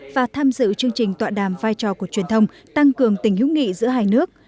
và tham dự chương trình tọa đàm vai trò của truyền thông tăng cường tình hữu nghị giữa hai nước